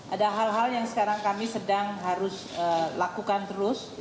ada hal hal yang sekarang kami sedang harus lakukan terus